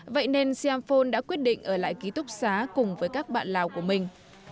vậy nên siam phôn đã quyết định ở lại ký túc xá cùng với các bạn lào của mình